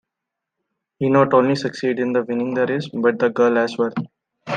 He not only succeeds in winning the race, but the girl as well.